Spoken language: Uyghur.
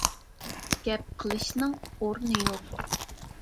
گەپ قىلىشنىڭ ئورنى يوق.